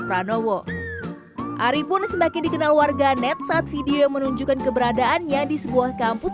pranowo ari pun semakin dikenal warga net saat video yang menunjukkan keberadaannya di sebuah kampus